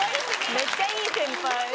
めっちゃいい先輩。